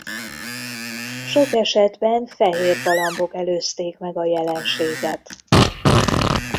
Sok esetben fehér galambok előzték meg a jelenséget.